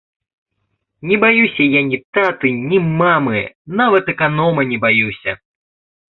Не баюся я ні таты, ні мамы, нават аканома не баюся!